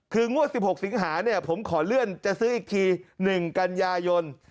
คืองวด๑๖สิงหาเนี่ยผมขอเลื่อนจะซื้ออีกที๑กันยายน